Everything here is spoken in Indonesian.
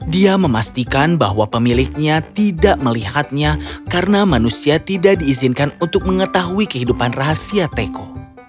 dia memastikan bahwa pemiliknya tidak melihatnya karena manusia tidak diizinkan untuk mengetahui kehidupan rahasia teko